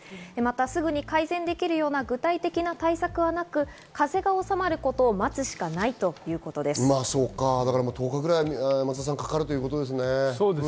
すぐに改善できるような具体的な対策はなく風が収まることを待つしかないということです。